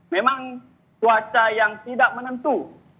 memang cuaca yang tidak menentu